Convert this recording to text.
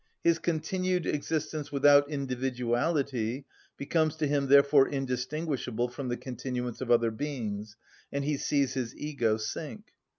His continued existence without individuality becomes to him therefore indistinguishable from the continuance of other beings, and he sees his ego sink.